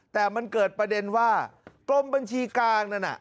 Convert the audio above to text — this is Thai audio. แต่มันเกิดประเด็นว่ากรมบัญชีกลางนั้นน่ะ